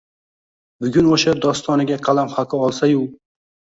bugun o’sha dostoniga qalam haqi olsa-yu